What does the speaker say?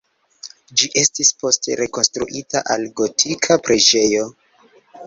Ĝi estis poste rekonstruita al gotika preĝejo.